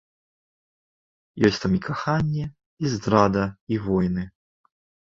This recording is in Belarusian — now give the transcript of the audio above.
Есць там і каханне, і здрада, і войны.